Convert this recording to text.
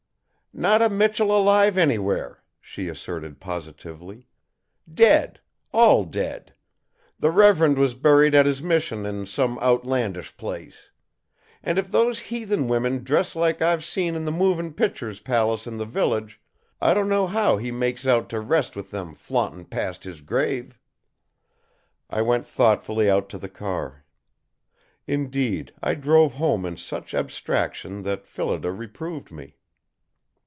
"Not a Michell alive anywhere," she asserted positively. "Dead, all dead! The Rev'rund was buried at his mission in some outlandish place. An' if those heathen women dress like I've seen in the movin' picture palace in the village, I don't know how he makes out to rest with them flauntin' past his grave!" I went thoughtfully out to the car. Indeed, I drove home in such abstraction that Phillida reproved me.